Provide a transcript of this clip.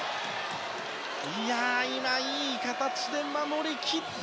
今、いい形で守り切った。